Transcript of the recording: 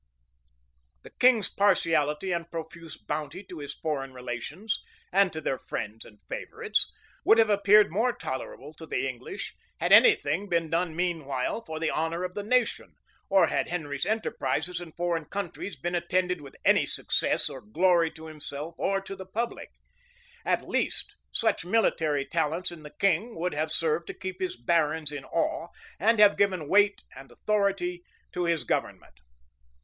The king's partiality and profuse bounty to his foreign relations, and to their friends and favorites, would have appeared more tolerable to the English, had any thing been done meanwhile for the honor of the nation, or had Henry's enterprises in foreign countries been attended with any success or glory to himself or to the public; at least, such military talents in the king would have served to keep his barons in awe, and have given weight and authority to his government.